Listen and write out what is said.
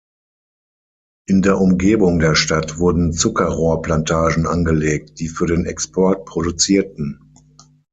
In der Umgebung der Stadt wurden Zuckerrohrplantagen angelegt, die für den Export produzierten.